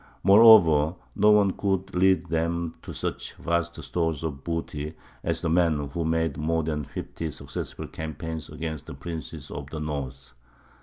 Moreover, no one could lead them to such vast stores of booty as the man who made more than fifty successful campaigns against the princes of the north.